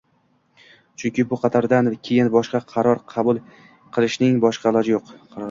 Chunki bu qarordan keyin boshqa qaror qabul qilishning boshqa iloji yo'q